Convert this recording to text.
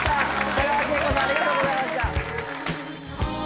北川景子さんありがとうございました。